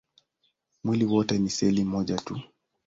Mwili wote ni seli moja tu.